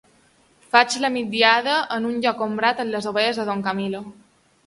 Faig la migdiada en un lloc ombrat amb les ovelles de don Camilo.